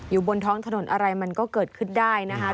บนท้องถนนอะไรมันก็เกิดขึ้นได้นะคะ